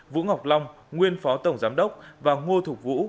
vũ ngọc long nguyên phó tổng giám đốc và ngô thục vũ